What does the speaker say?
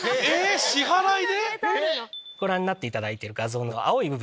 ご覧になっていただいてる画像の。